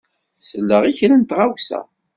Selleɣ i kra n tɣawsa.